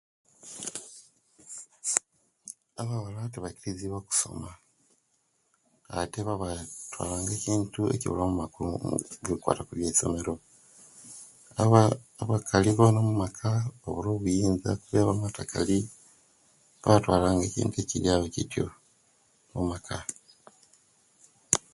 Abawala tebakiriziwa okusoma ate babatwaala nga ebintu ekibulamu amakula kubitwaka kwisomero aba abakali bona mumaka babula obuyinza kubyamatakali babatwala nga ekintu ekiriyawo ekityo mumaka